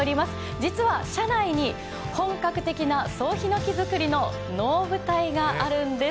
実は社内に本格的な総ひのき造りの能舞台があるんです。